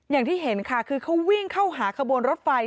อย่างที่เห็นค่ะคือเขาวิ่งเข้าหาขบวนรถไฟ